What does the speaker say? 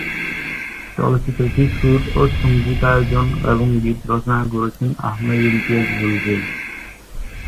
চলচ্চিত্রটির সুর ও সঙ্গীতায়োজন এবং গীত রচনা করেছেন আহমেদ ইমতিয়াজ বুলবুল।